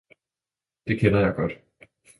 den kender jeg godt!